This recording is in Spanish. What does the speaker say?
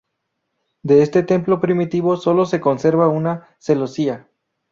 De este templo primitivo sólo se conserva una celosía.